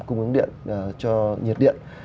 cung ứng điện cho nhiệt điện